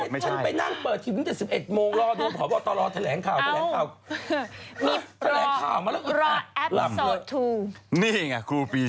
ไม่จบเป็นของใคร